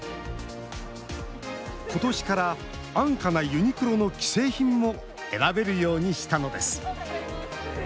ことしから安価なユニクロの既製品も選べるようにしたのです。